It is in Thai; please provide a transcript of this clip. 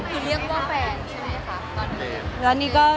คือบอกเลยว่าเป็นครั้งแรกในชีวิตจิ๊บนะ